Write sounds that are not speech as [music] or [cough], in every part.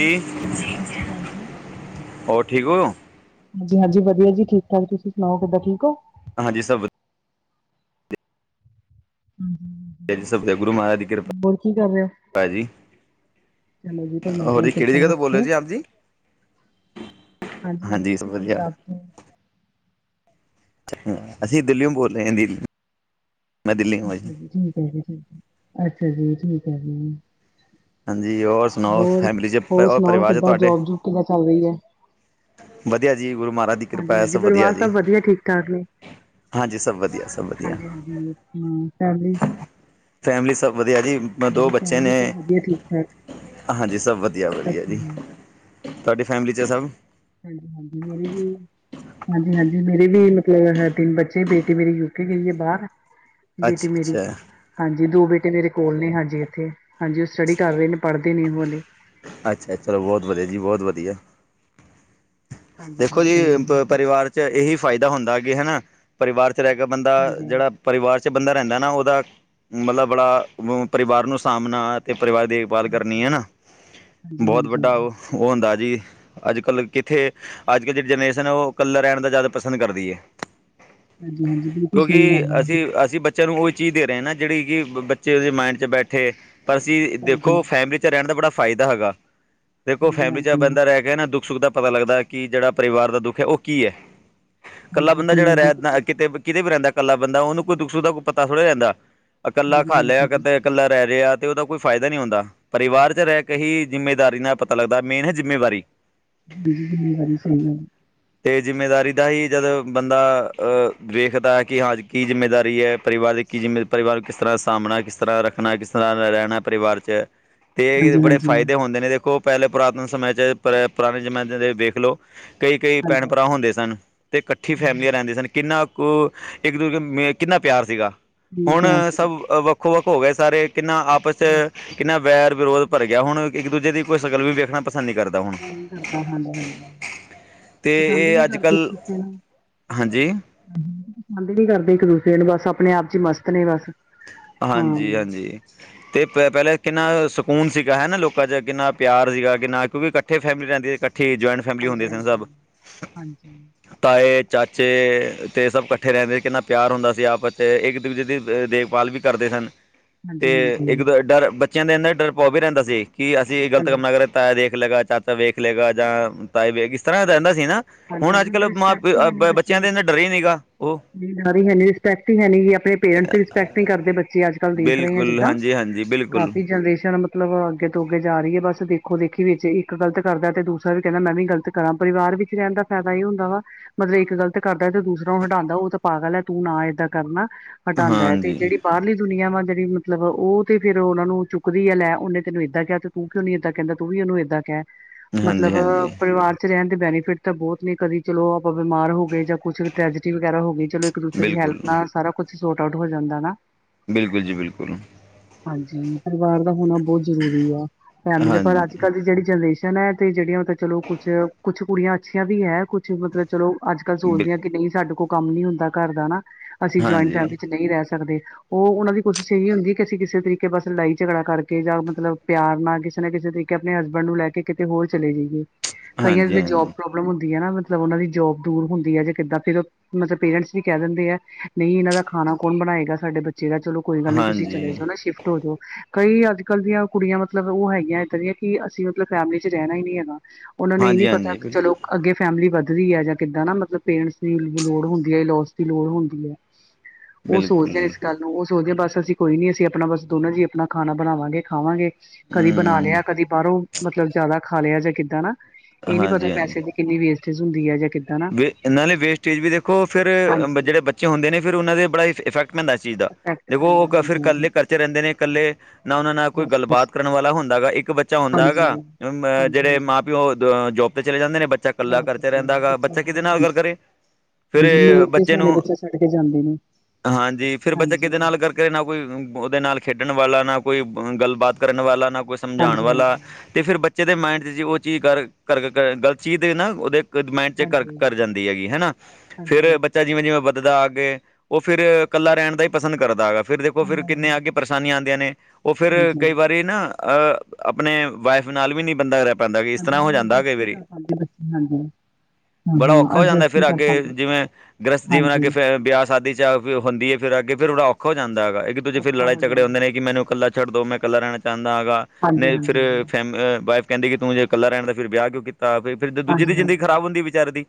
ਜ ਹੋਰ, ਠੀਕ ਹੋ। ਹਾਂਜੀ! ਜੀ ਵਧੀਆ ਜੀ, ਠੀਕ ਠਾ ਤੁਸੀਂ! ਸੁਣਾ ਕਿੱਦਾਂ ਠੀਕ ਹੋ? ਹਾਂਜੀ! ਸਭ ਵਧੀਆ ਹਮ [inaudible] ਜੀ, ਸਭ ਗੁਰੂ ਮਹਾਰਾਜ ਦੀ ਕਿਰਪਾ ਭਾ ਜੀ ਚੰਗਾ ਜੀ ਹੋਰ ਪਰਮਾਤਮਾ ਜੀ ਕਿਹੜੀ ਕਿਰਪਾ ਜਗ੍ਹਾ ਤੋਂ ਬੋਲ ਰਹੇ ਰੱਖੇ। ਹੋ ਜੀ ਆਪ ਜੀ ਹਾਂਜੀ-ਹਾਂਜੀ, ਹਾਂਜੀ ਸਭ ਅਸੀਂ ਵਧੀਆ ਪੰਜਾਬ ਤੋਂ ਹ ਅਸੀਂ ਦਿੱਲੀਓ ਬੋਲ ਰਹੇ ਹਾਂ। ਦਿੱਲੀ ਮੈਂ ਦਿੱਲੀ ਹਾਂ ਅੱਜ ਜੀ ਠੀਕ ਹੈ ਜੀ, ਠੀਕ ਅੱਛਾ ਜੀ ਠੀਕ ਹੈ ਜੀ ਹਾਂਜੀ ਹੋਰ ਸੁਣਾਓ ਹੋਰ- ਫੈਮਿਲੀ 'ਚ ਹੋਰ ਔਰ ਸੁਣਾਓ, ਪਰਿਵਾਰ 'ਚ ਕਿੱਦਾਂ! ਤੁਹਾਡੇ ਜੋਬ ਜੂਬ ਕਿੱਦਾਂ ਚੱਲ ਰਹੀ ਹੈ। ਵਧੀਆ ਜੀ, ਗੁਰੂ ਮਹਾਰਾਜ ਕਿਰਪਾ ਹਾਂਜੀ- ਹੈ ਹਾਂਜੀ, ਵਧੀਆ ਪਰਿਵਾਰ ਜੀ ਸਭ ਵਧੀਆ ਠੀਕ ਠਾਕ ਨੇ, ਹਾਂਜੀ ਸਭ ਵਧੀਆ ਸਭ ਵਧੀਆ ਹਾਂਜੀ -ਹਾਂਜੀ ਹਮ ਚੱਲਦੀ ਫੈਮਿਲੀ ਸਭ ਵਧੀਆ ਜੀ। ਮੈਂ ਦੋ ਹਾਂਜੀ ਬੱਚੇ ਫੈਮਲੀ ਨੇ ਸਭ ਵਧੀਆ ਠੀਕ ਠਾਕ ਹਾਂਜੀ, ਸਭ ਵਧੀਆ- ਵਧੀਆ ਜੀ। ਤੁਹਾਡੀ ਫੈਮਿਲੀ' ਚ ਸਭ ਹਾਂਜੀ -ਹਾਂਜੀ! ਮੇਰੇ ਲਈ ਹਾਂਜੀ -ਹਾਂਜੀ! ਮੇਰੀ ਵੀ ਮਤਲਬ ਤਿੰਨ ਬੱਚੇ ਬੇਟੀ, ਮੇਰੀ ਯੂਕੇ ਗਈ ਹੈ ਬਾਰ ਅੱਛਾ ਬੇਟੀ ਮੇਰੀ, ਅੱਛਾ ਹਾਂਜੀ ਦੋ ਬੇਟੇ ਮੇਰੇ ਕੋਲ ਨੇ, ਹਾਂਜੀ ਇੱਥੇ ਹਾਂਜੀ! ਉਹ ਸਟੱਡੀ ਕਰ ਰਹੇ ਨੇ ਪੜ੍ਹਦੇ ਨੇ ਉਹ ਹਲੇ ਅੱਛਾ! ਚਲੋ ਬਹੁਤ ਵਧੀਆ ਜੀ, ਬਹੁਤ ਵਧੀਆ ਹਾਂਜੀ ਦੇਖੋ ਜੀ, ਹਾਂਜੀ ਹਾਂਜੀ ਪਰਿਵਾਰ ਚ, ਇਹੀ ਫਾਇਦਾ ਹੁੰਦਾ ਕਿ ਹਨਾ ਪਰਿਵਾਰ ਇਸ ਤਰ੍ਹਾਂਗਾ ਬੰਦਾ ਹਾਂਜੀ ਜਿਹੜਾ ਪਰਿਵਾਰ 'ਚ ਬੰਦਾ ਰਹਿੰਦਾ ਨਾ ਉਹਦਾ ਮਤਲਬ ਬੜਾ ਪਰਿਵਾਰ ਨੂੰ ਸਾਂਭਣਾ ਅਤੇ ਪਰਿਵਾਰ ਦੇ ਪਾਲ ਕਰਨੀ ਹੈ ਨਾ, ਹਾਂਜੀ ਬਹੁਤ ਹਾਂਜੀ ਵੱਡਾ ਉਹ ਉਹ ਹੁੰਦਾ ਜੀ, ਅੱਜ ਕੱਲ ਕਿੱਥੇ ਅੱਜ ਕੱਲ ਜਿਹੜੀ ਜਨਰੇਸ਼ਨ ਓ ਉਹ ਕਲਾਂ ਰਹਿਣ ਦਾ ਜ਼ਿਆਦਾ ਪਸੰਦ ਕਰਦੀ ਹੈ ਹਾਂਜੀ ਹਾਂਜੀ ਬਿਲਕੁਲ ਕਿਉਂਕਿ ਸਹੀ ਗੱਲ ਹੈ ਅਸੀਂ- ਅਸੀਂ ਬੱਚ ਬੱਚਿਆਂ ਨੂੰ ਉਹ ਹੀ ਚੀਜ਼ ਦੇ ਰਹੇ ਨਾ ਜਿਹੜੀ ਕਿ ਬੱਚੇ ਉਹਦੇ ਮਾਇੰਡ ਚ ਬੈਠੇ। ਪਰ ਅਸੀਂ ਦੇਖੋ ਫੈਮਿਲੀ ਰਹਿਣ ਦਾ ਬੜਾ ਫਾਇਦਾ ਹੈਗਾ। ਦੇਖੋ ਜੀ ਹਾਂਜੀ ਹਾਂਜੀ ਫੈਮਿਲੀ ਚ ਹਾਂਜੀ ਬੰਦਾ ਰਹਿ ਕੇ ਨਾ, ਦੁੱਖ ਸੁੱਖ ਦਾ ਪਤਾ ਲੱਗਦਾ। ਕਿ ਜਿਹੜਾ ਪਰਿਵਾਰ ਦਾ ਦੁੱਖ ਹੈ ਉਹ ਕੀ ਹੈ? ਇਕੱਲਾ ਹਾਂਜੀ ਬੰਦਾ ਕੀ ਜਿਹੜਾ ਗੱਲ ਹੈ ਤੁਸੀਂ? ਰਹਿੰਦਾਂ ਕਿਤੇ ਕਿਤੇ ਵੀ ਰਹਿੰਦਾ ਇਕੱਲਾ ਬੰਦਾ, ਉਹਨੂੰ ਕੋਈ ਦੁੱਖ ਸੁਖ ਦਾ ਕੋਈ ਪਤਾ ਥੋੜ੍ਹਾ ਰਹਿੰਦਾਂ ਇਕੱਲਾ, ਹਾਂਜੀ ਖਾ ਹਾਂਜੀ ਲਿਆ ਕਤੇ ਇਕੱਲਾ ਰਹਿ ਰਿਹਾ ਆ ਤੇ ਉਹਦਾ ਕੋਈ ਫਾਇਦਾ ਨਹੀਂ ਹੁੰਦਾ। ਪਰਿਵਾਰ ਚ ਰਹਿ ਕੇ ਹੀ ਜਿੰਮੇਦਾਰੀ ਨਾਲ ਪਤਾ ਲੱਗਦਾ। ਮੇਨ ਹੈ, ਜਿੰਮੇਵਾਰੀ ਹਾਂਜੀ! ਕਿੰਨੇ ਵਾਰੀ ਸਹੀ ਗੱਲ ਹੈ। ਤੇ ਜਿੰਮੇਦਾਰੀ ਦਾ ਹੀ ਜਦੋਂ ਬੰਦਾ, ਅਹ ਵੇਖਦਾ ਹੈ। ਕਿ ਹਾਂ ਕੀ ਜਿੰਮੇਦਾਰੀ ਹੈ। ਪਰਿਵਾਰਿਕ ਕਿ ਜਿਵੇਂ ਪਰਿਵਾਰ ਕਿਸ ਤਰ੍ਹਾਂ ਸਾਂਭਣਾ, ਕਿਸ ਤਰ੍ਹਾਂ ਰੱਖਣਾ, ਕਿਸ ਤਰ੍ਹਾਂ ਰਹਿਣਾ ਪਰਿਵਾਰ 'ਚ ਹ ਅਤੇ ਇਹ ਬੜੇ ਫਾਇਦੇ ਹੁੰਦੇ ਨੇ ਦੇਖੋ। ਪਹਿਲੇ ਪੁਰਾਤਨ ਸਮੇ'ਚ ਪਰ ਪੁਰਾਣੇ ਜ਼ਮਾਨੇ 'ਚ ਵੇਖ ਲਓ। ਕਈ -ਕਈ ਭੈਣ ਹਾਂਜੀ ਭਰਾ ਹੁੰਦੇ ਸਨ ਤੇ ਇਕੱਠੀ ਫੈਮਲੀਆਂ ਰਹਿੰਦੇ ਸਨ। ਕਿੰਨਾ ਉਹ ਇੱਕ ਦੂਜੇ ਮ ਕਿੰਨਾ ਪਿਆਰ ਸੀਗਾ। ਇੰਨਾ ਹੁਣ ਪਿਆਰ ਸੀਗਾ ਸਭ ਵ ਕੋਕ ਹੋ ਗਏ। ਸਾਰੇ ਕਿੰਨਾ ਆਪਸ ਚ ਬਸ ਕਿੰਨਾ ਵੈਰ ਵਿਰੋਧ ਭਰ ਗਿਆ। ਹੁਣ ਇੱਕ ਦੂਜੇ ਦੀ ਕੋਈ ਸ਼ਕਲ ਵੀ ਵੇਖਣਾ ਪਸੰਦ ਨੀ ਕਰਦਾ ਹੁਣ। ਨਹੀਂ ਕਰਦਾ ਹਾਂਜੀ! ਹਾਂ ਤੇ ਪਸੰਦ ਈ ਇਹ ਨਹੀਂ ਅੱਜ ਕਰਦੇ ਇੱਕ ਕੱਲ੍ਹ ਦੂਜੇ ਨੂੰ। ਹਾਂਜੀ ਪਸੰਦ ਨਹੀ ਕਰਦੇ, ਇੱਕ ਦੂਸਰੇ ਨੂੰ ਬੱਸ ਆਪਣੇ ਆਪ ਚ ਮਸਤ ਨੇ ਬੱਸ। ਹਾਂਜੀ- ਹਾਂਜੀ। ਅਤੇ ਪ ਪਹਿਲੇ ਕਿੰਨਾ ਸਕੂਨ ਸੀਗਾ ਹੈਨਾ ਲੋਕਾਂ 'ਚ ਕਿੰਨਾ ਪਿਆਰ ਸੀਗਾ ਕਿੰਨਾ ਅੱਜ ਵੀ ਇਕੱਠੀ ਫੈਮਿਲੀ ਰਹਿੰਦੀ ਇਕੱਠੇ ਜੋਇੰਟ। ਹਾਂਜੀ-ਹਾਂਜੀ-ਹਾਂਜੀ। ਤਾਏ ਚਾਚੇ ਅਤੇ ਸਭ ਇਕੱਠੇ ਰਹਿੰਦੇ ਸੀ ਕਿੰਨਾ ਪਿਆਰ ਹੁੰਦਾ ਸੀ ਆਪ 'ਚ ਇੱਕ ਦੂਜੇ ਦੀ ਦੇਖਭਾਲ ਵੀ ਕਰਦੇ ਸਨ ਹਾਂਜੀ ਤੇ ਹਾਂਜੀ ਇੱਕ ਦੋ ਡਰ ਬੱਚਿਆਂ ਦੇ ਇੰਦਾ ਡਰ ਪਾ ਵੀ ਰਹਿੰਦਾ ਸੀ। ਕਿ ਅਸੀਂ ਗ਼ਲਤ ਹੈਲੋ ਕੰਮ ਨਾ ਕਰੇ ਤਾਇਆ ਦੇਖ ਲਏਗਾ ਚਾ ਤ ਵੇਖ ਲਏਗਾ ਜਾਂ ਤਏ ਵੇਖ ਇਸ ਤਰ੍ਹਾਂ ਰਹਿੰਦਾ ਸੀ ਨਾ ਹਾਂਜੀ ਹੁਣ ਅੱਜ ਹਾਂਜੀ ਕੱਲ੍ਹ ਰਿਸਪੈਕਟ ਮਾਪੇ ਬੱਚਿਆਂ ਦੇ ਇਨਾ ਡਰੇ ਹੀ ਨੀ ਗਾ ਉਹ ਜਿਹਦੀ ਜਨਾਨੀ ਹੈ ਨਹੀਂ ਰਿਸਪੈਕਟ ਹੀ ਹੈਨੀ ਆਪਣੇ ਪੇਰੈਂਟਸ ਦੀ ਰਿਸਪੈਕਟ ਹੀ ਕਰਦੇ ਬੱਚੇ। ਸੀਂ ਅੱਜ ਕੱਲ ਦੇਖ ਰਹੇ ਹ ਬਿਲਕੁਲ ਜਿੱਦਾਂ ਹਾਂਜੀ-ਹਾਂਜੀ ਬਿਲਕੁਲ ਕਾਫ਼ੀ ਜਨਰੇਸ਼ਨ ਮਤਲਬ ਅੱਗੇ ਤੋਂ ਅੱਗੇ ਜਾ ਰਹੀ ਹੈ ਬਸ ਦੇਖੋ ਦੇਖੀ ਵਿੱਚ ਇੱਕ ਗਲਤ ਕਰਦਾ ਤੇ ਦੂਸਰਾ ਵੀ ਕਹਿੰਦਾ ਮੈਂ ਵੀ ਗਲਤ ਕਰਾਂ ਪਰਿਵਾਰ ਵਿੱਚ ਰਹਿਣ ਦਾ ਫਾਇਦਾ ਇਹੀ ਹੁੰਦਾ ਵਾ ਮਤਲਬ ਇੱਕ ਗਲਤ ਕਰਦਾ ਤੇ ਦੂਸਰਾ ਨੂੰ ਹਟਾਉਂਦਾ ਉਹ ਤਾਂ ਪਾਗਲ ਹੈ ਤੂੰ ਨਾ ਏਦਾਂ ਕਰ ਨਾ ਹਟਾਉਂਦਾ ਹੈ ਤੇ ਜਿਹੜੀ ਬਾਹਰਲੀ ਦੁਨੀਆਂ ਵਾ ਜਿਹੜੀ ਮਤਲਬ ਉਹ ਤੇ ਫੇਰ ਉਹਨਾ ਨੂੰ ਚੁੱਕਦੀ ਹੈ ਲੈ ਉਹਨੇ ਤੈਨੂੰ ਏਦਾਂ ਕਿਹਾ। ਤੂੰ ਕਿਉ ਨੀਂ ਉਹਨੂੰ ਏਦਾਂ ਕਹਿੰਦਾ ਤੂੰ ਵੀ ਉਹਨੂੰ ਏਦਾਂ ਕਹਿ ਮਤਲਬ ਹਾਂਜੀ-ਹਾਂਜੀ-ਹਾਂਜੀ ਪਰਿਵਾਰ ਚ ਰਹਿਣ ਦੇ ਬੈਨੀਫਿਟ ਤਾਂ ਬਹੁਤ ਨੇ ਕਦੀ ਚਲੋ ਆਪਾਂ ਬਿਮਾਰ ਹੋ ਗਏ ਜਾਂ ਕੁੱਛ ਟਰੈਜਟੀ ਵਗੈਰਾ ਹੋ ਗਈ ਚਲੋ ਇੱਕ ਦੂਸਰੇ ਦੀ ਹੈਲਪ ਬਿਲਕੁਲ ਨਾਲ ਸਾਰਾ ਕੁੱਛ ਸੋਟ ਆਊਟ ਹੋ ਜਾਂਦਾ ਨਾ। ਬਿਲਕੁਲ ਜੀ ਬਿਲਕੁਲ। ਹਾਂਜੀ ਪਰਿਵਾਰ ਦਾ ਹੋਣਾ ਬਹੁਤ ਜ਼ਰੂਰੀ ਆ ਫੈਮਿਲੀ ਦਾ ਪਰ ਅੱਜ ਹਾਂਜੀ ਕੱਲ੍ਹ ਦੀ ਜਿਹੜੀ ਜਨਰੇਸ਼ਨ ਤੇ ਜਿਹੜੀਆਂ ਮਤਲਬ ਚਲੋ ਕੁੱਛ ਕੁੱਛ ਕੁੜੀਆਂ ਅੱਛੀਆਂ ਵੀ ਹੈ ਕੁਛ ਮਤਲਬ ਚਲੋ। ਅੱਜ ਕੱਲ ਬਿਲ ਸੋਚਦੇ ਹ ਕਿ ਨਹੀਂ ਸਾਡੇ ਕੋਲ ਕੰਮ ਨੀ ਹੁੰਦਾ ਘਰ ਦਾ ਅਸੀਂ ਜੁਆਇੰਟ ਹਾਂਜੀ ਫੈਮਿਲੀ ਚ ਨਹੀਂ ਰਹਿ ਸਕਦੇ। ਉਹ ਉਹਨਾਂ ਦੀ ਕੋਸ਼ਿਸ਼ ਇਹੀ ਹੁੰਦੀ ਹੈ। ਕਿ ਅਸੀਂ ਕਿਸੇ ਤਰੀਕੇ ਬਸ ਲੜਾਈ ਝਗੜਾ ਕਰਕੇ ਜਾਂ ਮਤਲਬ ਪਿਆਰ ਨਾਲ ਕਿਸੇ ਨਾ ਕਿਸੇ ਤਰੀਕੇ। ਆਪਣੇ ਹਸਬੈਂਡ ਨੂੰ ਲੈ ਕੇ ਕਿਤੇ ਹੋਰ ਚਲੇ ਜਾਈਏ ਹਾਂਜੀ ਕਈਆਂ ਹਾਂਜੀ ਜੋਬ ਪ੍ਰੋਬਲਮ ਹੁੰਦੀ ਹੈ ਨਾ ਮਤਲਬ ਉਹਨਾਂ ਦੀ ਜੋਬ ਦੂਰ ਹੁੰਦੀ ਹੈ ਜੇ ਕਿੱਦਾਂ ਫਿਰ ਮਤਲਬ ਪੇਰੈਂਟਸ ਵੀ ਕਹਿ ਦਿੰਦੇ ਆ ਨਹੀਂ ਇਹਨਾਂ ਦਾ ਖਾਣਾ ਕੌਣ ਬਣਾਏਗਾ। ਸਾਡੇ ਬੱਚੇ ਦਾ ਚਲੋ ਕੋਈ ਗੱਲ ਨਹੀਂ ਤੁਸੀਂ ਚਲੇ ਹਾਂਜੀ ਜਾਓ ਨਾ ਸ਼ਿਫਟ ਹੋ ਜਾਓ। ਕਈ ਅੱਜ ਕੱਲ੍ਹ ਦੀਆਂ ਕੁੜੀਆਂ ਮਤਲਬ ਉਹ ਹੈਗੀਆਂ ਇੱਦਾਂ ਦੀਆਂ ਕਿ ਅਸੀਂ ਮਤਲਬ ਫੈਮਲੀ ਚ ਰਹਿਣਾ ਹੀ ਨਹੀਂ ਹੈਗਾ। ਉਹਨਾ ਨੂੰ ਇਹ ਹਾਂਜੀ ਨਹੀਂ ਪਤਾ। ਹਾਂਜੀ ਬਿਲਕੁਲ ਚਲੋ ਅੱਗੇ ਫੈਮਿਲੀ ਵੱਧਦੀ ਹੈ ਜਾਂ ਕਿੱਦਾਂ ਨਾ ਮਤਲਬ ਪੇਰੈਂਟਸ ਦੀ ਲੋੜ ਹੁੰਦੀ ਹੈ ਇਨਲੋਸ ਦੀ ਲੋੜ ਹੁੰਦੀ ਹੈ। ਉਹ ਸੋਚਦੇ ਬਿਲਕੁਲ ਇਸ ਗੱਲ ਉਹ ਸੋਚਦੇ, ਬਸ ਅਸੀਂ ਕੋਈ ਨੀ ਅਸੀਂ ਆਪਣਾ ਬਸ ਦੋਨੋ ਜੀ ਆਪਣਾ ਖਾਣਾ ਬਣਾਵਾਂਗੇ ਖਾਵਾਂਗੇ। ਕਦੀ ਬਣਾ ਹਮ ਲਿਆ ਕਦੀ ਬਾਹਰੋਂ ਮਤਲਬ ਜ਼ਿਆਦਾ ਖਾ ਲਿਆ ਜਾਂ ਕਿੱਦਾਂ ਨਾ ਇਹ ਨੀ ਪਤਾ ਹਾਂਜੀ ਹਾਂਜੀ ਪੈਸੇ ਕਿੰਨੀ ਵੇਸਟੇਜ ਹੁੰਦੀ ਹੈ ਜਾਂ ਕਿ ਵੇ ਨਾਲੇ ਵੇਸਟੇਜ ਵੀ ਦੇਖੋ ਫਿਰ ਹਾਂਜੀ ਜਿਹੜੇ ਬੱਚੇ ਹੁੰਦੇ ਨੇ ਫਿਰ ਉਹਨਾਂ ਦੇ ਬੜਾ ਇਫੈਕਟ ਦਾ ਇਸ ਚੀਜ਼ ਦਾ ਇਫੈਕਟ ਦੇਖੋ ਪੈਂਦਾ ਉਹ ਫਿਰ ਹਾਂਜੀ ਹਾਂਜੀ ਇਕੱਲੇ ਕਰਚੇ ਰਹਿੰਦੇ ਨੇ ਇਕੱਲੇ ਨਾ ਉਹਨਾਂ ਨਾਲ ਕੋਈ ਬਸ ਬਸ ਗੱਲਬਾਤ ਕਰਨ ਵਾਲਾ ਹੁੰਦਾ ਹੈਗਾ ਇੱਕ ਬੱਚਾ ਹੁੰਦਾ ਹੈਗਾ ਹਾਂਜੀ ਅ ਹਾਂਜੀ ਜਿਹੜੇ ਹਾਂਜੀ ਮਾਂ ਪਿਓ ਉਹ ਅਹ ਜੋਬ ਤੇ ਚਲੇ ਜਾਂਦੇ ਨੇ ਬੱਚਾ ਇਕੱਲਾ ਜੋਬ ਤੇ ਕਰਚ ਰਹਿੰਦਾ ਹੈਗਾ ਬੱਚਾ ਹਾਂਜੀ ਕਿਹਦੇ ਨਾਲ ਗੱਲ ਕਰੇ ਹਾਂਜੀ ਫਿਰ ਮੇਰ ਦੇ ਬੱਚੇ ਸਿਆਣੇ ਨੂੰ ਛੱਡ ਕੇ ਜਾਂਦੇ ਨੇ ਹਾਂਜੀ ਫਿਰ ਬੱਚਾ ਹਾਂਜੀ ਕਿਹਦੇ ਨਾਲ ਕਰਕੇ ਨਾ ਕੋਈ ਉਹਦੇ ਨਾਲ ਖੇਡਣ ਵਾਲਾ ਨਾ ਕੋਈ ਗੱਲਬਾਤ ਕਰਨ ਵਾਲਾ ਨਾ ਕੋਈ। ਸਮਝਾਉਣ ਹਾਂਜੀ ਹਾਂਜੀ ਵਾਲਾ ਹਾਂਜੀ ਤੇ ਫਿਰ ਬੱਚੇ ਬੱਚੇ ਦੇ ਮਾਇਂਡ 'ਚ ਉਹ ਚੀਜ਼ ਗਲਤ ਚੀਜ਼ ਨਾ ਉਹਦੇ ਮਂਡ ਹਾਂਜੀ ਕਰ-ਕਰ ਜਾਂਦੀ ਹੈਗੀ ਹਨਾ ਫਿਰ ਹਾਂਜੀ ਬੱਚਾ ਜਿਵੇਂ-ਜਿਵੇਂ ਅਗੇ ਉਹ ਫਿਰ ਕੱਲਾ ਰਹਿਣ ਦਾ ਹੀ ਪਸੰਦ ਕਰਦਾ ਹੈਗਾ। ਫਿਰ ਦੇਖੋ ਫਿਰ ਹਾਂਜੀ ਕਿੰਨੇ ਅੱਗੇ ਪਰੇਸ਼ਾਨੀਆਂ ਆਉਂਦੀਆਂ ਨੇ ਉਹ ਫਿਰ ਹਾਂਜੀ ਕਈ ਵਾਰੀ ਨਾ ਅ ਆਪਣੇ ਵਾਈਫ ਨਾਲ ਵੀ ਨਹੀਂ ਬੰਦਾ ਰਹਿ ਪੈਂਦਾ ਕਿ ਇਸ ਤਰ੍ਹਾਂ ਹਾਂਜੀ ਹੋ ਵੀ ਜਾਂਦਾ ਅਡਜਸਟ ਕਈ ਨਹੀਂ ਵਾਰੀ ਕਰ ਪਾਉਂਦੇ ਹਾਂਜੀ। ਬੜਾ ਹੂੰ-ਹੂੰ ਔਖਾ ਹੋ ਜਾਂਦਾ ਅਡਜਸਟ ਨਹੀਂ ਫਿਰ ਕਰ ਅੱਗੇ ਪਾਂਦੇ ਜਿਵੇਂ ਗ੍ਰਸਤ ਜੀਵਨ ਹਾਂਜੀ। ਅੱਗੇ ਫਿਰ ਵਿਆਹ ਸ਼ਾਦੀ ਹਦੀ ਫਿਰ ਆੱ ਉਹਦਾ ਔਖ ਹੋ ਜਾਂਦਾ ਹੈਗਾ ਕਿ ਤੁਸੀੇ ਫੇਿਰ ਔਖਾ ਹੋ ਲੜਾਈਝੜੇ ਜਾਂਦਾ ਹੁੰਦੇ ਨੇ ਕਿ ਮੈਨੂੰ ਇਕੱਲਾ ਛੱਡ ਦੋ ਮੈਂ ਕਲਾ ਰਹਿਣਾ ਚਾਹੁੰਦਾਾਂਗਾ ਨਹੀਂ ਫਿਰ ਹਾਂਜੀ-ਹਾਂਜੀ, ਫੈਮ ਵਾਈਫ ਕਹਿੰਦੇ ਕਿ ਤੂੰ ਜੇ ਕੱ ਰਹਿਣ ਦਾ ਫਿਰ ਵਿਹ ਕਿਉਂ ਕੀਤਾ ਫਿਰ ਦੂਜੀ ਦੀ ਹਾਂਜੀ-ਹਾਂਜੀ। ਹਾਂਜੀ-ਹਾਂਜੀ। ਜ਼ਿੰਦ ਖਰਾਬ ਹੁੰਦੀ। ਦੀ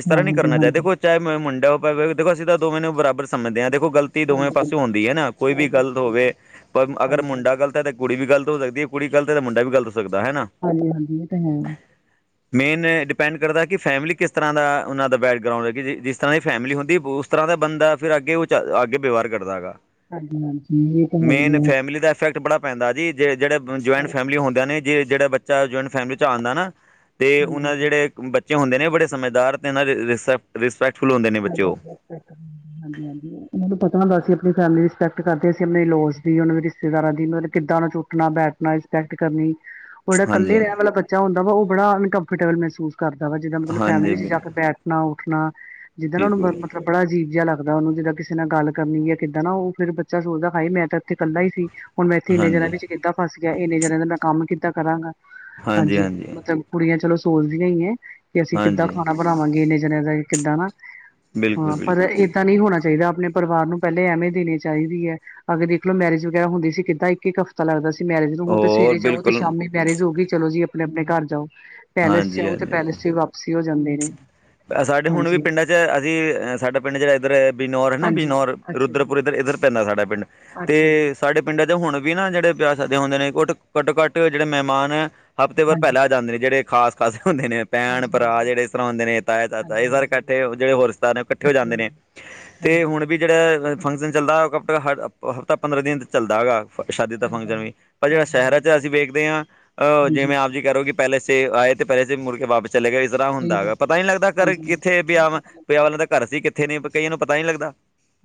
ਇਸ ਤਰ੍ਹਾਂ ਨਹੀ ਕਰਨਾ ਚਾਹੀਦਾ ਦੇ ਚਾਹੇ ਮੇਰੇ ਮੁਡਾ ਹੋਵੇ ਤਾਂ ਦੋਖੋ ਐਸੀ ਤਾਂ ਮਨੋ ਬਰਾਬਰ ਸਮਝਦੇ ਹਾਂ ਦੇਖੋ ਗਲ ਦੋਵੇਂ ਪਾਸੇ ਹੁੰਦੀ ਹੈ ਨਾ ਕੋਈ ਵੀ ਬਹੁਤ ਗਲਤ ਮੁਸ਼ਕਿਲ ਹੋਵੇ ਹੁੰਦਾ ਪਰ ਅਗਰ ਹਾਂਜੀ। ਮੁੰਡਾ ਗਲਤ ਤਾਂ ਕੁੜੀ ਗਲਤ ਹੋ ਸਕਦੀ ਹੈ ਕੁੜੀ ਗਲਤ ਹੈ ਤਾਂ ਮੁਡਾ ਗਲਤ ਸਕਦਾ ਹੈ ਹਾਂਜੀ-ਹਾਂਜੀ ਇਹ ਤਾਂ ਹੈ ਮੇਨ ਡਿਪੈਂਡ ਕਰਦਾ ਕਿ ਫੈਮਿਲੀ ਕਿਸ ਤਰ੍ਹਾਂ ਦਾ ਉਹਨਾਂ ਦਾ ਬੈਕਗਰਾਊਂਡ ਹੈ ਕਿ ਜਿਸ-ਜਿਸ ਤਰ੍ਹਾਂ ਦੀ ਫੈਮਿਲੀ ਹੁੰਦੀ ਉਸ ਤਰ੍ਹਾਂ ਦਾ ਬੰਦਾ ਫਿਰ ਅੱਗੇ ਉਹ ਅੱਗੇ ਵਿਵਹਾਰ ਕਰਦਾ ਹੈਗਾ ਹਾਂਜੀ-ਹਾਂਜੀ ਇਹ ਤਾਂ ਹੈ ਹੀ ਮੇਨ ਹੈ। ਫੈਮਿਲੀ ਦਾ ਇਫੈਕਟ ਬੜਾ ਪੈਂਦਾ ਜੀ ਜਿਹੜੇ ਜੁਆਇੰਟ ਫੈਮਲੀ ਹੁੰਦੀਿਆਂ ਨੇ ਜੀ ਜਿਹੜਾ ਬੱਚਾ ਜੁਆਇੰਟ ਫੈਮਲੀ ਚ ਆਉਂਦਾ ਨਾ ਤੇ ਉਹਨਾਂ ਦੇ ਹਾਂਜੀ। ਜਿਹੜੇ ਬੱਚੇ ਹੁੰਦੇ ਨੇ ਬੜੇ ਸਮਝਦਾਰ ਤੇੈ ਰਿਸਪੈਕਟਫੁਲ ਹੁੰਦੇ ਨੇ ਬੱਚੇ ਉਹ ਹਾਂਜੀ-ਹਾਂਜੀ ਮ ਪਤਾ ਹੁੰਦਾ ਸੀ ਆਪਣੀ ਫੈਮਿਲੀ ਰਿਸਪੈਕਟ ਕਰਦੇ ਅਸੀਂ ਆਪਣੇ ਲੋਸ ਦੀ ਉਹਨਾਂ ਦੇ ਰਿਸ਼ਤੇਦਾਰਾਂ ਦੀ ਮਤਲਬ ਕਿੱਦਾਂ ਨੂੰ ਉਠਣਾ ਬੈਠਣਾ ਰੇਸਪੈਕਟ ਕਰਨੀ ਬੜ ਇਕੱਲੇ ਹਾਂਜੀ ਰਹਿਣ ਵਾਲਾ ਬੱਚਾ ਹੁੰਦਾ ਵਾ ਉਹ ਬੜਾ ਉਨਕੰਫੋਰਟੇਬਲ ਮਹਿਸੂਸ ਕਰਦਾ ਵ ਜਿੱਦਾਂ ਫੈਮਲੀ ਹਾਂਜੀ ਵਿੱਚ ਜਾ ਬਿਲ ਕੇ ਬੈਠ ਉਠਣਾ-ਉੱਠਣਾ ਜਿੱਦਾਂ ਉਹ ਨੂੰ ਬਿਲਕੁਲ ਮਤਲਬ ਬੜਾ ਅਜੀਬ ਜਿਹਾ ਲੱਗਦਾ ਉਹਨੂੰ ਜਿੱਦਾਂ ਕਿਸੇ ਨਾਲ ਗਲ ਕਰਨੀ ਹੈ ਕਿੱਦਾਂ ਨਾ ਉਹ ਫੇਰ ਬੱਚਾ ਸੋਚਦਾ ਹੈਈ ਮੈਂ ਤਾਂ ਇੱਥੇ ਇਕੱਲਾ ਹੀ ਸੀ ਹੁਣ ਮੈਂ ਇੱਥੇ ਇੰਨੇ ਜਣਿਆਂ ਹਾਂਜੀ ਵਿੱਚ ਕਿੱਦਾਂ ਫਸ ਗਿਆ ਇੰਨੇ ਜਣਿਆਂ ਦਾ ਮੈਂ ਕੰਮ ਕਿੱਦਾਂ ਕਰਾਂਗਾ ਹਾਂਜੀ ਮਤਲਬ ਕੁੜੀਆਂ ਚਲੋ ਸੋਚਦੀਆਂ ਹੀ ਹੈ ਕਿ ਅਸੀਂ ਕਿੱਦਾਂ ਹਾਂਜੀ ਖਾਣਾ ਬਣਾਵਾਂਗੇ ਇੰਨੇ ਜਨਿਆਂ ਦਾ ਕਿੱਦਾਂ ਨਾ ਬਿਲਕੁਲ ਹਾਂ ਪਰ ਬਿਲਕੁਲ ਏਦ ਨਹੀਂ ਹੋਣਾ ਚਾਹੀਦਾ ਆਪਣੇ ਪਰਿਵਾਰ ਨੂੰ ਪਹਿਲੇ ਐਵੇਂ ਦੇਣੀ ਚਾਹੀਦੀ ਹੈ ਅਗਰ ਦੇਖ ਲੋ ਮੈਰਜ ਵਗੈਰਾ ਹੁੰਦੀ ਸੀ ਕਿੱਦਾਂ ਇੱਕ ਇਕ ਹਫ ਪਤਾ ਲੱਗਦਾ ਸੀ ਮੈਰਿਜ ਨੂੰ ਹੁਣ ਤੇ ਹੋਰ ਸਵੇਰੇ ਜਾਓ ਤੇ ਬਿਲਕੁਲ ਸ਼ਾਮੀ ਮੈਰਿਜ ਹੋ ਗਈ ਚਲੋ ਜੀ ਆਪਣੇ-ਆਪਣੇ ਘਰ ਜਾਓ ਪੈਲੇਸ ਚ ਹਾਂਜੀ ਆਓ ਤੇ ਹਾਂਜੀ ਪੈਲੇਸ ਚ ਵੀ ਵਾਪਸੀ ਹੋ ਜਾਂਦੇ ਨੇ ਸਾਡੇ ਹੁਣ ਵੀ ਹਾਂਜੀ ਪਿੰਡਾਂ ਚ ਅਸੀਂ ਸਾਡਾ ਪਿੰਡ ਜਿਹੜਾ ਇੱਧਰ ਬਿਨੌਰ ਹਨਾ ਹਾਂਜੀ ਬਿਨੌਰ ਅੱਛਾ ਜੀ ਰੁਦਰਪੁਰ ਇੱਧਰ-ਇੱਧਰ ਪੈਂਦਾ ਸਾਡਾ ਪਿੰਡ ਤੇ ਅੱਛਾ ਜੀ ਸਾਡੇ ਪਿੰਡਾਂ ਦੇ ਹੁਣ ਵੀ ਨਾ ਜਿਹੜੇ ਪਿਆਸਦੇ ਹੁੰਦੇ ਨੇ ਘੱਟ ਘੱਟੋ ਘੱਟ ਜਿਹੜੇ ਮਹਿਮਾਨ ਹੈ ਹਫ਼ਤੇਬਾਰ ਹਾਂਜੀ ਪਹਿਲਾਂ ਆ ਜਾਂਦੇ ਨੇ ਜਿਹੜੇ ਖਾਸ-ਖਾਸ ਹੁੰਦੇ ਨੇ ਭੈਣ ਹਾਂਜੀ ਭਰਾ ਹਾਂਜੀ ਜਿਹੜੇ ਇਸ ਤਰ੍ਹਾਂ ਹੁੰਦੇ ਨੇ ਇਹ ਹਾਂਜੀ ਸਾਰੇ ਹਾਂਜੀ ਇਕੱਠੇ ਜਿਹੜੇ ਹੋਰਤਾਰ ਨੇ ਉਹ ਇਕੱਠੇ ਹੋ ਜਾਂਦੇ ਨੇ ਤੇ ਹਾਂਜੀ ਹੁਣ ਵੀ ਜਿਹੜਾ ਫੰਕਸ਼ਨ ਚੱਲਦਾ ਉਹ ਕ ਹ ਹਫ਼ਤਾ ਪੰਦਰਾਂ ਦਿਨ ਚੱਲਦਾ ਹੈਗਾ ਸ਼ਾਦੀ ਦਾ ਚੱਲਦਾ ਫੰਕਸ਼ਨ ਹੈ ਵੀ ਪਰ ਜਿਹੜਾ ਹਾਂਜੀ ਸ਼ਹਿਰਾਂ ਹਾਂਜੀ ਚ ਅਸੀਂ ਵੇਖਦੇ ਹਾਂਹ ਹਾਂਜੀ ਜਿਵੇਂ ਆਪ ਜੀ ਕਰੋ ਕਿ ਪਹਿਲੇ ਸੇ ਆਏ ਤੇ ਪਹਿਲੇੇ ਮੁੜ ਕੇ ਵਾਪਸ ਚਲੇਗਾ ਇਸ ਤਰ੍ਹਾਂ ਸਹੀ ਹੁੰਦਾ ਗੱਲ ਹੈਗਾ ਪਰ ਪਤਾ ਨ ਨਹੀ ਲੱਗਦਾ ਹਾਂਜੀ ਕਿੱਥੇ ਹਾਂਜੀ ਨਹੀਂ ਵਿਆ ਪਤਾ ਲੱਗਦਾ ਵਿਆਹ ਵਾਲਿਆਂ ਦਾ ਘਰ ਸੀ ਕਿੱਥੇ ਨ ਕਈਆਂ ਨੂੰ ਪਤਾ ਨ ਨਹੀਂ ਲੱਗਦਾ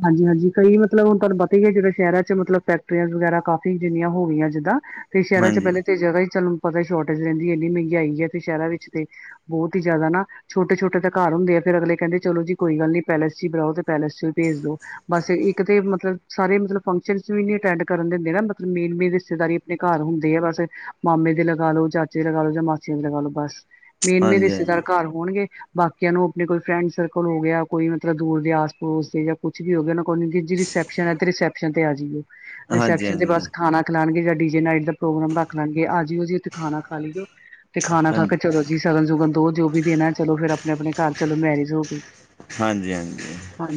ਹਾਂਜੀ-ਹਾਂਜੀ ਕਈ ਮਤਲਬ ਹੁਣ ਤੁਹਾਨੂੰ ਪਤਾ ਹੀ ਹੈ ਜਿਹੜੇ ਸ਼ਹਿਰਾਂ ਚ ਮਤਲਬ ਫੈਕਟਰੀਆਂ ਵਗੈਰਾ ਕਾਫੀ ਜਿੰਨੀਆਂ ਹੋ ਗਈਆਂ ਜਿੱਦਾਂ ਤੇ ਸ਼ਹਿਰਾਂ ਚ ਹਾਂਜੀ ਪਹਿਲੇ ਤਾਂ ਇਹ ਜਗ੍ਹਾ ਹੀ ਚੱਲ ਪਤਾ ਹੀ ਸ਼ੋਰਟੇਜ ਰਹਿੰਦੀ ਐੰਨੀ ਮਹਿੰਗਾਈ ਹੈ ਤੇ ਸ਼ਹਿਰਾਂ ਵਿੱਚ ਤੇ ਬਹੁਤ ਹੀ ਜ਼ਿਆਦਾ ਨਾ ਛੋਟੇ-ਛੋਟੇ ਘਰ ਹੁੰਦੇ ਆ ਫੇਰ ਅਗਲੇ ਕਹਿੰਦੇ ਚਲੋ ਜੀ ਕੋਇ ਗੱਲ ਨੀ ਪੈਲਸ ਚ ਹੀ ਬੁਓ ਤੇ ਪੈਲੇਸ ਚ ਵੀ ਭੇਜ ਦੋ ਬਸ ਇੱਕ ਤੇ ਮਤਲਬ ਸਾਰੇ ਮਤਲਬ ਫੰਕਸ਼ਨ ਵੀ ਨੀ ਅਟੈਂਡ ਕਰਨ ਦਿੰਦੇ ਨਾ ਮਤਲਬ ਮੇਨ-ਮੇਨ ਰਿਸ਼ਤੇਦਾਰੀ ਘਰ ਹੁੰਦੇ ਆ ਬਸ ਮਾਮੇ ਦੇ ਲਗਾ ਲੋ ਚਾਚੇ ਦੇ ਲਗਾ ਲੋ ਜਾਂ ਮਾਸੀਆਂ ਦੇ ਲਗਾ ਲੋ ਬਸ ਮੇਨਮੇਨ ਹਾਂਜੀ ਰਿਸ਼ਤੇਦਾਰ ਹਾਂਜੀ ਘਰ ਹੋਣਗੇ ਬਾਕੀਆਂ ਨੂੰ ਆਪਣੇ ਕੋਈ ਫਰੈਂਡ ਸਰਕਲ ਹੋ ਗਿਆ ਕੋਈ ਮਤਲਬ ਦੂਰ ਦੇ ਆਸ ਪੜੋਸ ਦੇ ਜਾਂ ਕੁਛ ਵੀ ਹੋ ਗਿਆ ਉਹਨਾਂ ਕੋਲ ਜੀ ਰਿਸੈਪਸ਼ਨ ਹੈ ਤੇ ਰਿਸੈਪਸ਼ਨ ਤੇ ਆ ਜਾਈਓ ਹਾਂਜੀ ਰਿਸੈਪਸ਼ਨ ਤੇ ਹਾਂਜੀ ਬਸ ਖਾਣਾ ਰੱਖ ਲੈਣਗੇ ਜਾਂ ਡੀ ਜੇ ਨਾਈਟ ਦਾ ਪ੍ਰੋਗਰਾਮ ਰੱਖ ਲਣਗੇ ਆ ਜਿਓ ਜ ਉਥੇ ਖਾਨਾ ਖਾ ਲਈਓ ਤੇ ਖਾਣਾ ਖਾ ਕੇ ਹਾਂਜੀ ਚਲੋ ਜੀ ਸਗਨ ਸੁਗਨ ਦੋ ਜੋ ਵੀ ਦੇਣਾ ਚਲੋ ਫਿਰ ਆਪਣੇ-ਆਪਣੇ ਘਰ ਚਲੋ ਮੈਰਿਜ ਹੋ ਗਈ ਹਾਂਜੀ-ਹਾਂਜੀ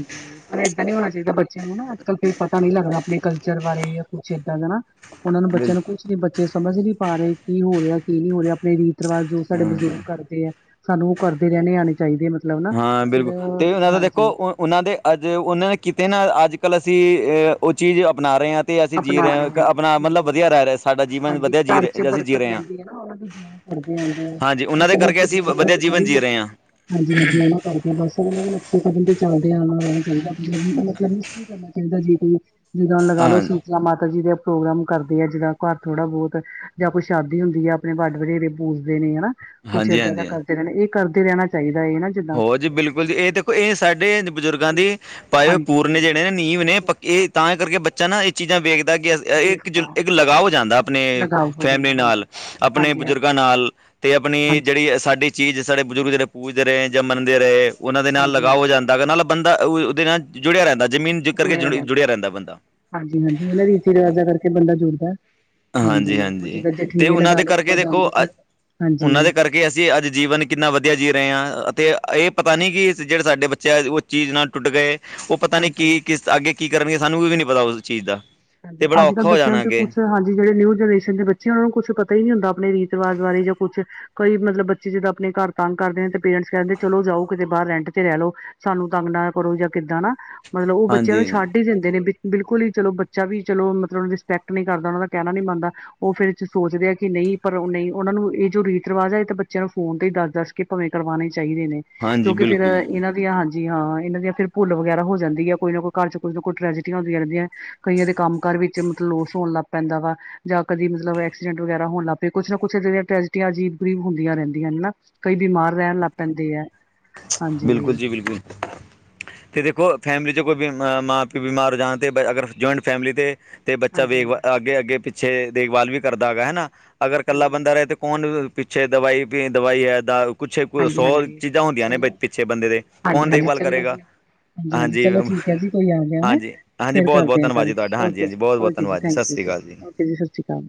ਪਰ ਏਦਾਂ ਨੀ ਹੋਣਾ ਚਾਹੀਦਾ ਬੱਚਿਆਂ ਨੂੰ ਨਾ ਅੱਜ ਕੱਲ ਫੇਰ ਪਤਾ ਨੀ ਲੱਗਣਾ ਆਪਣੇ ਕਲਚਰ ਬਾਰੇ ਕੁਛ ਏਦਾ ਦਾ ਨਾ ਉਹਨਾਂ ਨੂੰ ਬੱਚਿਆਂ ਨੂੰ ਕੁਛ ਬਿਲਕੁਲ ਨ ਬੱਚੇ ਸਮਝ ਨਹੀ ਪਾ ਰਹੇ ਕੀ ਹੋ ਰਿਹਾ ਕੀ ਨਹੀਂ ਹੋ ਰਿਹਾ ਆਪ ਰੀਤ ਰਿਵਾਜ ਜੋ ਸਾਡੇ ਬਜ਼ੁਰਗ ਹਮ ਕਰਦੇ ਹੈ ਸਾਨੂੰ ਉਹ ਕਰਦੇ ਰਹਿਣੇ ਆਉਣੇ ਚਾਹੀਦੇ ਮਤਲਬ ਨਾ ਹਾਂ ਫਿਰ ਬਿਲਕੁਲ ਤੇ ਉਹਨਾਂ ਦਾ ਦੇਖੋ ਹਾਂਜੀ ਉਹਨਾਂ ਦੇ ਅੱਜ ਉਹਨਾਂ ਨੇ ਕਿਤੇ ਨਾ ਅੱਜ ਕੱਲ੍ਹ ਅਸੀਂ ਉਹ ਚੀਜ਼ ਅਪਣਾ ਰਹੇ ਹਾਂ ਤੇ ਅਸੀਂ ਜੀਅ ਅਪਣਾ ਰਹੇ ਹਾਂ ਆਪਣਾ ਜੀ ਮਤਲਬ ਰਹੇ। ਵਧੀਆ ਰਹਿ ਰਿਹਾ ਸਾਡਾ ਜੀਵਨ ਹਾਂਜੀ ਵਧੀਆ ਜੀਅ ਘਰ ਚ ਰਿਹਾ ਅਸੀਂ ਜੀਅ ਬਰਕਤ ਰਹੇ ਹਾਂ ਰਹਿੰਦੀ ਹੈ ਨਾ ਉਹਨਾਂ ਦੀ ਦੁਆ ਕਰਦੇ ਆਉਂਦੇ ਆ ਹਾਂਜੀ ਉਹ ਉਨਾ ਦੇ ਕਰਕੇ ਅਸੀਂ ਵਧੀਆ ਜੀਵਨ ਜੀਅ ਰਹੇ ਹਾਂ ਹਾਂਜੀ-ਹਾਂਜੀ ਉਹ ਕਰ ਬਸ ਉਹਨਾਂ ਦੇ ਨਕਸ਼ੇ ਕਦਮ ਤੇ ਚੱਲਦੇ ਆਉਣਾ ਰਹਿਣਾ ਚਾਹੀਦਾ ਮਤਲਬ ਕਰਨਾ ਚਾਹੀਦਾ ਜੇ ਕੋਈ ਜਿੱਦਾਂ ਲਗਾ ਹਾਂ ਲੋ ਹਾਂਜੀ ਸੀਤਲਾ ਮਾਤਾ ਜੀ ਦਾ ਪ੍ਰੋਗਰਾਮ ਕਰਦੇ ਆ ਜਿੱਦਾਂ ਘਰ ਥੋੜਾ ਬਹੁਤ ਜਾਂ ਕੋਈ ਸ਼ਾਦੀ ਹੁੰਦੀ ਆ ਆਪਣੇ ਵੱਡ ਵਡੇਰੇ ਪੂਜਦੇ ਨੇ ਹਨਾ ਕੁਛ ਹਾਂਜੀ ਇਏਦਾਂ ਦਾ ਹਾਂਜੀ। ਕਰਦੇ ਰਹਿਣਾ ਇਹ ਕਰਦੇ ਰਹਿਣਾ ਚਾਹੀਦਾ ਇਹ ਨਾ ਜਿੱਦਾਂ ਹੋ ਜੀ ਬਿਲਕੁਲ ਜੀ ਇਹ ਦੇਖੋ ਇਹ ਸਾਡੇ ਬਜ਼ੁਰਗਾਂ ਇਹ ਦੀ ਪਾਏ ਹੋਏ ਪੂਰਨੇ ਹਾਂਜੀ ਜਿਹੜੇ ਨੇ ਨੀਂਵ ਨੇ ਪ ਇਹ ਤਾਂ ਕਰਕੇ ਬੱਚਾ ਨਾ ਇਹ ਚੀਜ਼ਾਂ ਵੇਖਦਾ ਕਿ ਇੱਕ ਜੁ ਦੇਖਦਾ ਇੱਕ ਲਗਾ ਹੋ ਜਾਂਦਾ ਆਪਣੇ ਲਗਾਵ ਹੋ ਜਾਂਦਾ ਫੈਮਿਲੀ ਨਾਲ ਹਾਂਜੀ ਆਪਣੇ ਹਾਂਜੀ ਹਾਂਜੀ ਬਜ਼ੁਰਗਾਂ ਨਾਲ ਤੇ ਆਪਣੀ ਹਾਂਜੀ ਜਿਹੜੀ ਸਾਡੀ ਚੀਜ਼ ਸਾਡੇ ਬਜ਼ੁਰਗ ਜਿਹੜੇ ਪੂਜਦੇ ਰਹੇ ਜਾਂ ਮੰਨਦੇ ਰਹੇ ਉਹਨਾਂ ਦੇ ਨਾਲ ਹਾਂਜੀ ਲਗਾ ਹੋ ਹਾਂਜੀ ਜਾਂਦਾ ਨਾਲ ਬੰਦਾ ਉਹ ਉਹਦੇ ਨਾਲ ਜੁੜਿਆ ਰਹਿੰਦਾ ਜਮੀਨ ਰਹਿੰਦਾ ਹਾਂਜੀ-ਹਾਂਜੀ ਇਹਨਾਂ ਰੀਤੀ ਰਿਵਾਜਾਂ ਕਰਕੇ ਬੰਦਾ ਜੁੜਦਾ ਹਾਂਜੀ ਹ ਜਦਾਂ ਤੇ ਜਠੇਰੇ ਉਹਨਾਂ ਲਗਾ ਦੇ ਲੋ ਆਪਾਂ ਜਾਂਦੇ ਹਾਂ ਹਾਂਜੀ ਕਿ ਅਸੀਂ ਅੱਜ ਜੀਵਨ ਕਿੰਨਾ ਵਧੀਆ ਜੀਅ ਰਹੇ ਹਾਂ ਅਤੇ ਇਹ ਪਤਾ ਨਹੀਂ ਕਿ ਜਿਹੜੇ ਸਾਡੇ ਬੱਚਾ ਉਹ ਚੀਜ਼ ਨਾਲ ਟੁੱਟ ਗਏ ਉਹ ਪਤਾ ਨੀ ਕੀ ਕਿਸ ਅੱਗੇ ਕੀ ਕਰਨਗੇ ਸਾਨੂੰ ਵੀ ਨੀ ਪਤਾ ਉਸ ਚੀਜ਼ ਦਾ ਹਾਂਜੀ ਤੇ ਬੜਾ ਅੱਜ ਕੱਲ੍ਹ ਔਖਾ ਹੋ ਬੱਚਿਆਂ ਜਾਣਾ ਨੂੰ ਤੇ ਅੱਗੇ ਕੁਛ ਹਾਂਜੀ ਜਿਹੜੇ ਨਿਊ ਜਨਰੇਸ਼ਨ ਦੇ ਬੱਚੇ ਇੱਥੇ ਉਹਨਾਂ ਨੂੰ ਕੁੱਛ ਪਤਾ ਹੀ ਨਹੀਂ ਹੁੰਦਾ ਆਪਣੇ ਰੀਤ ਰਿਵਾਜ ਬਾਰੇ ਜਾਂ ਕੁਛ ਕੋਈ ਮਤਲਬ ਬੱਚੇ ਜਿੱਦਾਂ ਆਪਣੇ ਘਰ ਤਂਗ ਕਰਦੇ ਨੇ ਤੇ ਪੇਰੈਂਟਸ ਕਹਿੰਦੇ ਚਲੋ ਜਾਓ ਕਿਤੇ ਬਾਹਰ ਰੈਂਟ ਤੇ ਰਹਿ ਲਓ ਸਾਨੂੰ ਤੰਗ ਨਾ ਕਰੋ ਜਾਂ ਕਿੱਦਾਂ ਨਾ ਮਤਲਬ ਉਹ ਬੱਚਿਆਂ ਨੂੰ ਹਾਂਜੀ ਛੱਡ ਹੀ ਦਿੰਦੇ ਨੇ ਬਿਲਕੁਲ ਹੀ ਚਲੋ ਬੱਚਾ ਵੀ ਚਲੋ ਮਤਲਬ ਰਿਸਪੈਕਟ ਨਹੀਂ ਕਰਦਾ ਉਹਨਾਂ ਦਾ ਕਹਿਣਾ ਨਹੀਂ ਮੰਨਦਾ ਉਹ ਫਿਰ ਸੋਚਦੇ ਆ ਕਿ ਨਹੀਂ ਪਰ ਨਹੀਂ ਉਹਨਾਂ ਨੂੰ ਇਹ ਜੋ ਰੀਤ ਰਿਵਾਜ਼ ਹੈ ਇਹ ਬੱਚਿਆਂ ਨੂੰ ਫੋਨ ਤੇ ਹੀ ਦੱਸਦਾ ਭਾਵੇਂ ਕਰਵਾਣੇ ਚਾਹੀਦੇ ਨੇ ਹਾਂਜੀ ਕਿਉਂਕਿ ਫੇਰ ਬਿਲਕੁਲ ਇਹਨਾਂ ਦੀਆਂ ਹਾਂਜੀ ਜੀ ਹਾਂ ਇਹਨਾਂ ਦੀ ਫਿਰ ਭੁੱਲ ਵਗੈਰਾ ਹੋ ਜਾਂਦੀ ਹੈ ਕੋਈ ਨਾ ਕੋਈ ਘਰ ਚ ਕੁਈ ਨਾ ਕੋਈ ਟਰੈਜਿਟੀਆਂ ਹੁੰਦੀਆਂ ਰਹਿੰਦੀਆਂ ਕਈਆਂ ਦੇ ਕੰਮ ਕਾਰ ਵਿੱਚ ਮਤਲਬ ਲੋਸ ਹੋਣ ਲੱਗ ਪੈਂਦਾ ਵਾ ਜਾਂ ਕਦੀ ਮਤਲਬ ਐਕਸੀਡੈਂਟ ਵਗੈਰਾ ਹੋਣੱਗ ਪਏ ਕੁਛ ਨਾ ਕੁਛ ਇਹਿਆਂ ਟ੍ਰੈਜਿਟੀਆਂ ਅਜੀਬ ਗਰੀਬ ਹੁੰਆਂ ਰਹਿੰਦੀਆਂ ਹਨਾ ਕਈ ਬਿਮਾਰ ਰਹਿਣ ਲੱਗ ਪੈਂਦੇ ਹੈ। ਹਾਂਜੀ ਬਿਲਕੁਲ ਜੀ ਬਿਲਕੁਲ। ਅਤੇ ਦੇਖੋ ਫੈਮਿਲੀ ਚਚ ਕੋਈ ਮਾਂ ਪਿਓ ਬਿਮਾਰ ਹੋ ਜਾਣ ਤੇ ਅਗਰ ਜੌਇੰਟ ਫੈਮਿਲੀ ਤੇ ਬੱਚਾ ਹਾਂਜੀ ਵੇਖ ਹਾਂਜੀ ਅੱਗੇ-ਅੱਗੇ ਪਿੱਛੇ ਦੇਖਭਾਲ ਵੀ ਕਰਦਾ ਹੈ ਹਨਾ ਅਗਰ ਕੱਲਾ ਹਾਂਜੀ ਬੰਦਾ ਰਹੇ ਤੇ ਕੌਣ ਪਿੱਛੇ ਦਵਾਈ-ਦਵਾਈ ਹੈ ਦ ਕੁਛੇ ਹਾਂਜੀ ਹਾਂਜੀ ਸੌ ਹਾਂਜੀ ਚੀ ਹੁੰਦੀਆਂ ਨੇ ਚਲੋ ਪਿੱਛੇ ਬੰਦੇ ਦੇ ਹਾਂਜੀ ਕੌਣ ਹਾਂਜੀ ਦੇਖਭਾਲ ਚਲੋ ਕਰੇਗਾ ਜੀ ਹਾਂਜੀ ਹਾਂਜੀ ਚਲੋ ਠੀਕ ਹੈ ਜੀ ਕੋਈ ਆ ਗਿਆ ਹੈ ਹਾਂਜੀ-ਹਾਂਜੀ-ਹਾਂਜੀ ਫੇਰ ਬਹੁਤ-ਬਹੁਤ ਕਰਦੇ ਆ ਧੰਨਵਾਦ ਕੱਲ ਜੀ ਤੁਹਾਡਾ ਹਾਂਜੀ- ਓਕੇ ਹਾਂਜੀ ਜੀ ਬਹੁਤ-ਬਹੁਤ ਓਕੇ ਧੰਨਵਾਦ ਜੀ ਥੈਂਕ ਸਤ ਯੂ ਸ਼੍ਰੀ ਅਕਾਲ ਜੀ। ਓਕੇ ਜੀ ਸਤ ਸ਼੍ਰੀ ਅਕਾਲ।